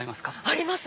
あります！